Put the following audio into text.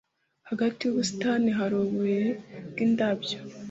hagati yubusitani hari uburiri bwindabyo